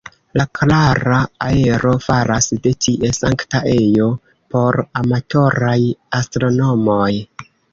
La klara aero faras de tie sankta ejo por amatoraj astronomoj.